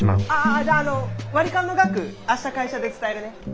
じゃああの割り勘の額明日会社で伝えるね。